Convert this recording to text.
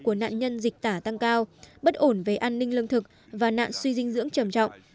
của nạn nhân dịch tả tăng cao bất ổn về an ninh lương thực và nạn suy dinh dưỡng trầm trọng